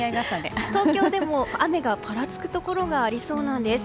東京でも雨がぱらつくところがありそうなんです。